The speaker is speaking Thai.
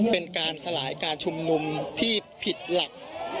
เป็นการสลายการชุมนุมที่ผิดหลัก